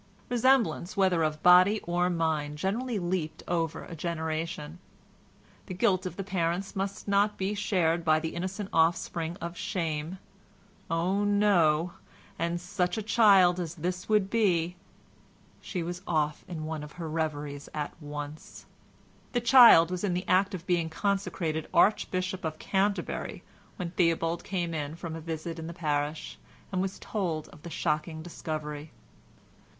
Resemblance, whether of body or mind, generally leaped over a generation. The guilt of the parents must not be shared by the innocent offspring of shame—oh! no—and such a child as this would be ... She was off in one of her reveries at once. The child was in the act of being consecrated Archbishop of Canterbury when Theobald came in from a visit in the parish, and was told of the shocking discovery.